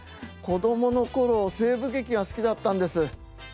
子供の頃西部劇が好きだったんです。